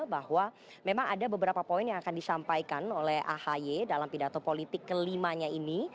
bahwa memang ada beberapa poin yang akan disampaikan oleh ahy dalam pidato politik kelimanya ini